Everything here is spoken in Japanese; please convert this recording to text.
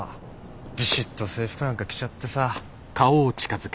ビシッと制服なんか着ちゃってさ。